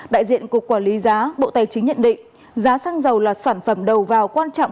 đại diện cục quản lý giá bộ tài chính nhận định giá xăng dầu là sản phẩm đầu vào quan trọng